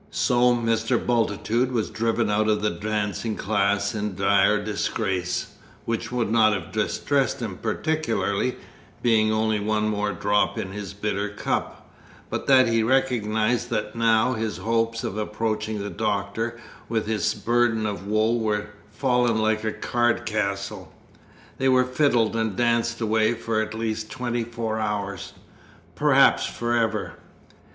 So Mr. Bultitude was driven out of the dancing class in dire disgrace which would not have distressed him particularly, being only one more drop in his bitter cup but that he recognised that now his hopes of approaching the Doctor with his burden of woe were fallen like a card castle. They were fiddled and danced away for at least twenty four hours perhaps for ever!